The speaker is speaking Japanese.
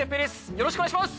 よろしくお願いします！